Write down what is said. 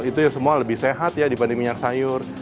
itu semua lebih sehat ya dibanding minyak sayur